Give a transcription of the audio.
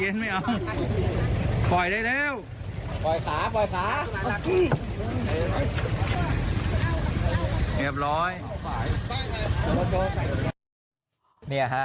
เนี่ยฮะ